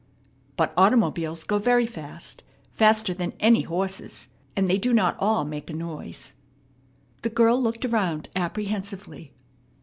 "But automobiles go very fast, faster than any horses And they do not all make a noise." The girl looked around apprehensively.